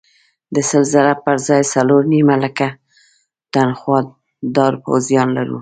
د سل زره پر ځای څلور نیم لکه تنخوادار پوځیان لرو.